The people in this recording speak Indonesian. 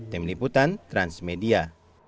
tim liputan transmedia